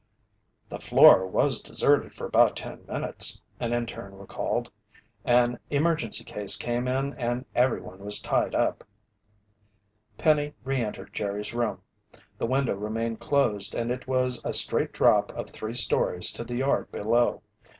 "The floor was deserted for about ten minutes," an interne recalled. "An emergency case came in and everyone was tied up." Penny re entered Jerry's room. The window remained closed and it was a straight drop of three stories to the yard below.